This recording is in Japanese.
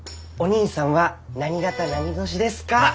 お兄さんは何型何年ですか？